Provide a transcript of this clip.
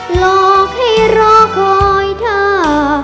หลอกให้รอคอยเธอ